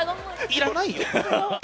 いらないよ。